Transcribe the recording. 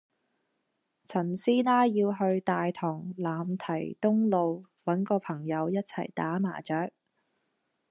陳師奶要去大棠欖堤東路搵個朋友一齊打麻雀